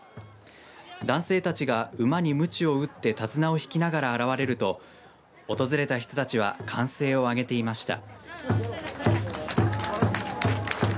男性たちが馬にむちを打って手綱を引きながら現れると訪れた人たちは歓声を上げていました。